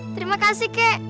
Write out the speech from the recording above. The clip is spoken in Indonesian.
terima kasih kek